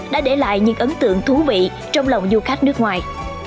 đã để lại những ấn tượng thú vị trong lòng du khách nước ngoài